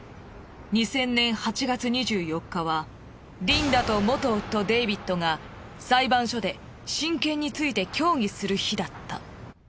２０００年８月２４日はリンダと元夫デイビッドが裁判所で親権について協議する日だった。